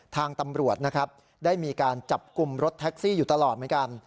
ทางตำรวจนะครับได้มีการจับกลุ่มรถแท็กซี่อยู่ตลอดเหมือนกัน